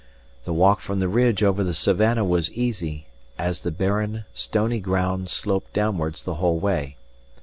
The walk from the ridge over the savannah was easy, as the barren, stony ground sloped downwards the whole way.